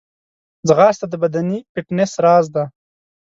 ځغاسته د بدني فټنس راز دی